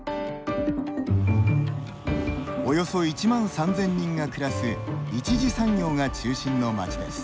およそ１万３０００人が暮らす一次産業が中心の町です。